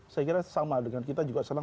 saya kira sama dengan kita juga senang